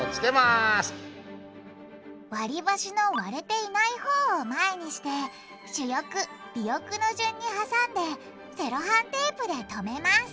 わりばしの割れていない方を前にして主翼尾翼の順に挟んでセロハンテープでとめます